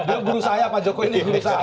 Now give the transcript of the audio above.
dia guru saya pak jokowi ini guru saya